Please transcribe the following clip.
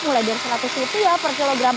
mulai dari seratus rupiah per kilogram